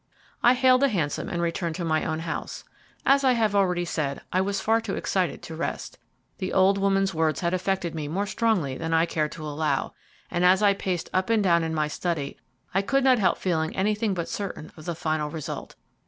I hailed a hansom and returned to my own house. As I have already said, I was far too excited to rest. The old woman's words had affected me more strongly than I cared to allow, and as I paced up and down in my study, I could not help feeling anything but certain of the final result.